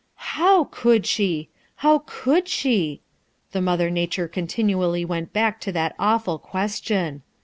"How could she! How con Id she I" The mother nature continually went back to that awful question.